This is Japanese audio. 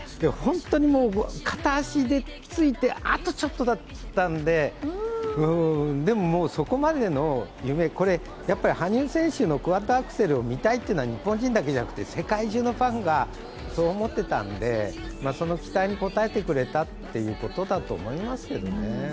本当にもう、片足で着いてあとちょっとだったんで、でも、そこまでの夢、羽生選手のクアッドアクセルを見たいというのは日本人だけじゃなくて世界中のファンがそう思ってたんでその期待に応えてくれたということだと思いますけれどもね。